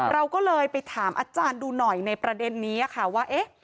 เราก็เลยไปถามอาจารย์ดูหน่อยในประเด็นนี้ค่ะว่าเอ๊ะ